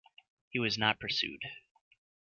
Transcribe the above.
He was not pursued.